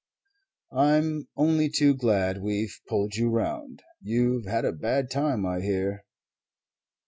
"I'm only too glad we've pulled you round. You've had a bad time, I hear."